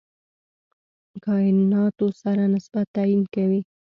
کایناتو سره نسبت تعیین کوي.